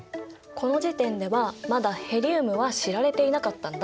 この時点ではまだヘリウムは知られていなかったんだ。